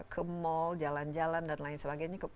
ke mall jalan jalan dan lain sebagainya